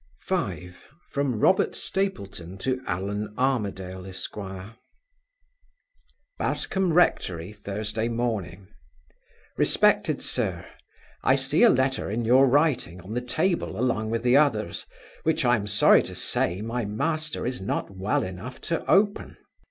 5. From Robert Stapleton to Allan Armadale, Esq. "Bascombe Rectory, Thursday Morning. "RESPECTED SIR I see a letter in your writing, on the table along with the others, which I am sorry to say my master is not well enough to open.